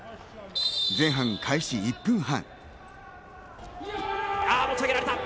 前半開始１分半。